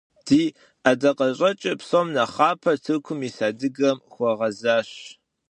Ди ӀэдакъэщӀэкӀыр, псом нэхъапэ, Тыркум ис адыгэм хуэгъэзащ.